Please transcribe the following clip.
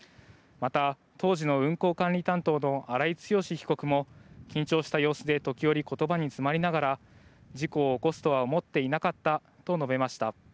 また、当時の運行管理担当の荒井強被告も緊張した様子で時折、ことばにつまりながら事故を起こすとは思っていなかったと述べました。